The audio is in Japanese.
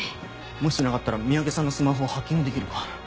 もしつながったら三宅さんのスマホをハッキングできるか？